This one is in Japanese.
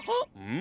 ん？